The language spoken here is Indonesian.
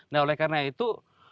nah oleh karena itu